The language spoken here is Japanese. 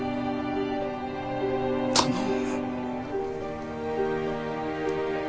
頼む。